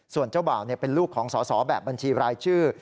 ส่วนเจ้าบ่าวเป็นลูกของสอสอแบบบัญชีรายชื่อ